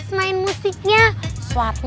semain musiknya suaranya juga keren